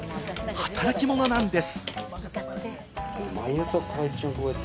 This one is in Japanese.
働き者なんです。